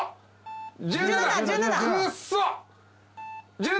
１７。